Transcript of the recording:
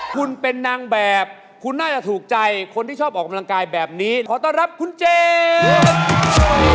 คุณเป็นนางแบบคุณน่าจะถูกใจคนที่ชอบออกกำลังกายแบบนี้ขอต้อนรับคุณเจมส์